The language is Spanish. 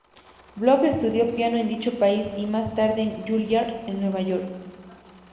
Block estudió piano en dicho país y más tarde en Juilliard en Nueva York.